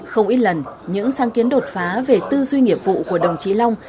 không ít lần những sáng kiến đột phá về tư duy nghiệp vụ của đồng chí long